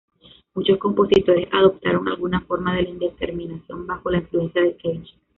Muchos compositores adoptaron alguna forma de la indeterminación bajo la influencia de Cage.